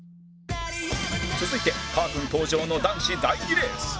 続いてかーくん登場の男子第２レース